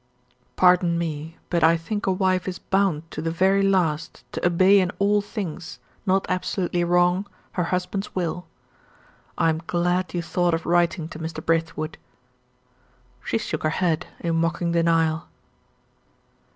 "Pardon me; but I think a wife is bound to the very last to obey in all things, not absolutely wrong, her husband's will. I am glad you thought of writing to Mr. Brithwood." She shook her head, in mocking denial.